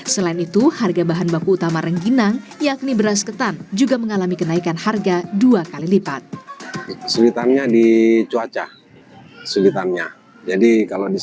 selain itu harga bahan baku utama rengginang yakni beras ketan juga mengalami kenaikan harga dua kali lipat